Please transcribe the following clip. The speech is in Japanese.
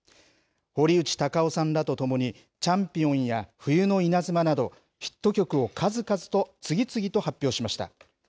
堀内孝雄さんらとともに、チャンピオンや冬の稲妻など、ヒット曲を次々と発表しました。